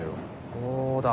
そうだ。